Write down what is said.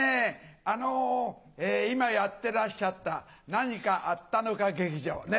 あの今やってらっしゃった「何かあったのか劇場」ね。